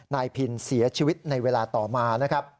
นายพินเสียชีวิตในเวลาต่อมา